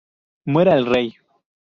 Muera el Rey!